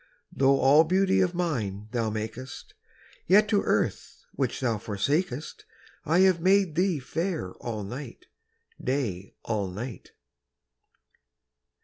Though all beauty of nine thou makest, Yet to earth which thou forsakest I have made thee fair all night, Day all night.